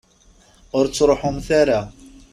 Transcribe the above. Ur ttruḥumt ara.